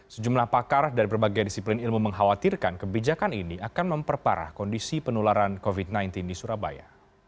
sejumlah pakar dari berbagai disiplin ilmu mengkhawatirkan kebijakan ini akan memperparah kondisi penularan covid sembilan belas di surabaya